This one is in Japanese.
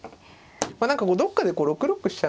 何かこうどっかで６六飛車